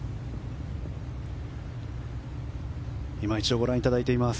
今一度ご覧いただいています。